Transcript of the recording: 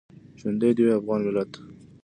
ژوندی دې وي افغان ملت؟